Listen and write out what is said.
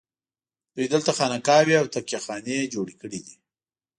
دوی دلته خانقاوې او تکیه خانې جوړې کړي دي.